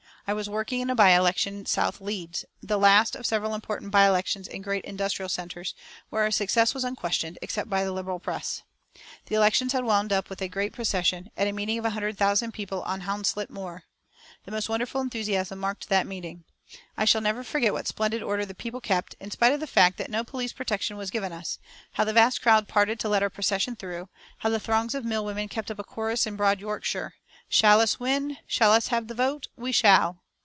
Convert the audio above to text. I was working in a by election at South Leeds, the last of several important by elections in great industrial centres, where our success was unquestioned, except by the Liberal press. The elections had wound up with a great procession, and a meeting of 100,000 people on Hounslet Moor. The most wonderful enthusiasm marked that meeting. I shall never forget what splendid order the people kept, in spite of the fact that no police protection was given us; how the vast crowd parted to let our procession through; how the throngs of mill women kept up a chorus in broad Yorkshire: "Shall us win? Shall us have the vote? We shall!"